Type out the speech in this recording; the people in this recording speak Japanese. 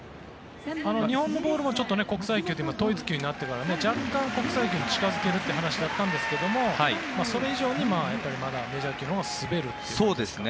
日本のボールも国際球というか統一球になってから若干、国際球に近付けるという話だったんですがそれ以上にメジャー球のほうが滑るというか。